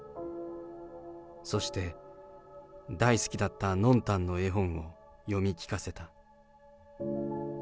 そして、大好きだったノンタンの絵本を読み聞かせた。